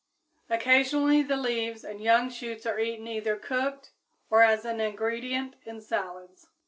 _ Occasionally the leaves and young shoots are eaten either cooked or as an ingredient in salads.